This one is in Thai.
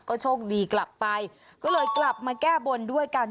ก็โชคดีกลับไปก็เลยกลับมาแก้บนด้วยกัน